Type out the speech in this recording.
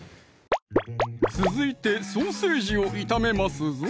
続いてソーセージを炒めますぞ